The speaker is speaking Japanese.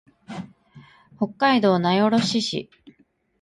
北海道名寄市